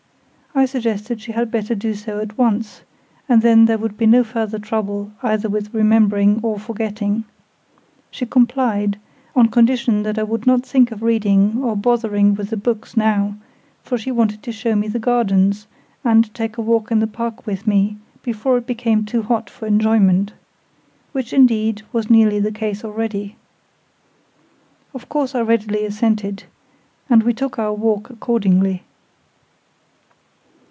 I suggested she had better do so at once, and then there would be no further trouble either with remembering or forgetting. She complied, on condition that I would not think of reading, or bothering with the books now; for she wanted to show me the gardens, and take a walk in the park with me, before it became too hot for enjoyment; which, indeed, was nearly the case already. Of course I readily assented; and we took our walk accordingly.